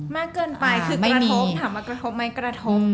มากเกินไปคือกระทบถามว่ากระทบไหมกระทบ